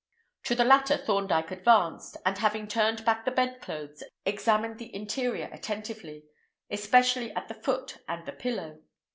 To the latter Thorndyke advanced, and, having turned back the bedclothes, examined the interior attentively, especially at the foot and the pillow.